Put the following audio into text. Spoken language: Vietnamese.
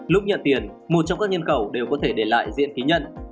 lúc nhận tiền một trong các nhân khẩu đều có thể để lại diện ký nhận